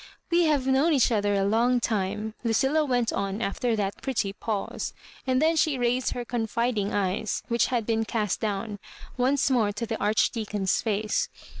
" We hmQ known each other a long time," Lucilla went on after that pretty pause; and then she raised her confiding eyes, which had been cast down, once more to the Arch deacon's face.